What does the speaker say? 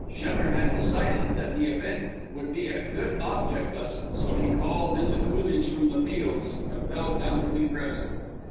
Schemmer had decided that the event would be a good object lesson, and so he called in the coolies from the fields and compelled them to be present.